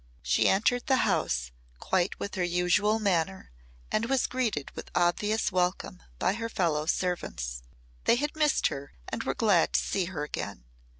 She entered the house quite with her usual manner and was greeted with obvious welcome by her fellow servants. They had missed her and were glad to see her again.